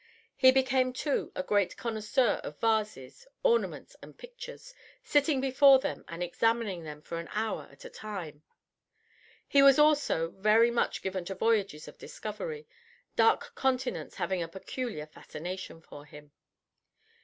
He became, too, a great connoisseur of vases, ornaments, and pictures, sitting before them and examining them for an hour at a time. He was also very much given to voyages of discovery, dark continents having a peculiar fascination for him.